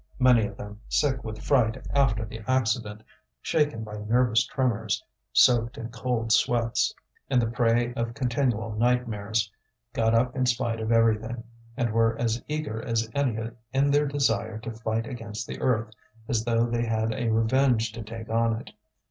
Many of them, sick with fright after the accident, shaken by nervous tremors, soaked in cold sweats, and the prey of continual nightmares, got up in spite of everything, and were as eager as any in their desire to fight against the earth, as though they had a revenge to take on it.